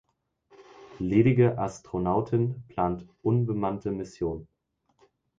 Ledige Astronautin plant unbemannte Mission.